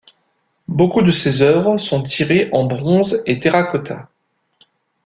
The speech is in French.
Beaucoup de ses œuvres sont tirées en bronze et terracotta.